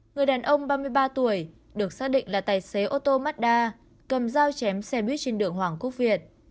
người đàn ông ba mươi ba tuổi được xác định là tài xế ô tô mazda cầm dao chém xe buýt trên đường hoàng quốc việt